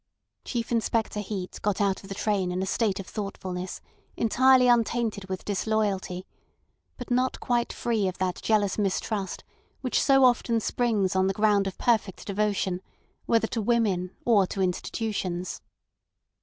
Chief Inspector Heat got out of the train in a state of thoughtfulness entirely untainted with disloyalty, but not quite free of that jealous mistrust which so often springs on the ground of perfect devotion, whether to women or to institutions.